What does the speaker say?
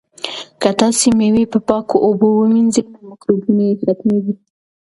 که تاسي مېوې په پاکو اوبو ومینځئ نو مکروبونه یې ختمیږي.